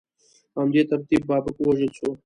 په همدې ترتیب بابک ووژل شو.